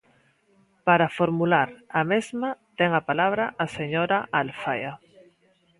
Para formular a mesma ten a palabra a señora Alfaia.